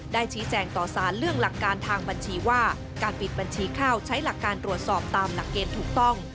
ได้ชี้แจงต่อสารเรื่องหลักการทางบัญชีว่าการปิดบัญชีข้าวใช้หลักการตรวจสอบตามหลักเกณฑ์ถูกต้อง